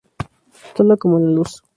Sola como la luz.